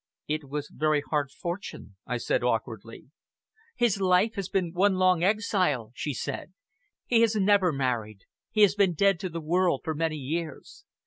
"It was very hard fortune," I said awkwardly. "His life has been one long exile," she said. "He has never married; he has been dead to the world for many years.